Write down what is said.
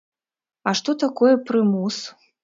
А што такое прымус?